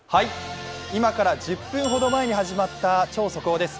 今から１０分ほど前に始まった超速報です。